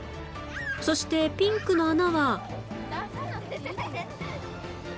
そしてピンクの穴は